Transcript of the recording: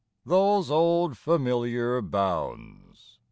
those old familiar bounds!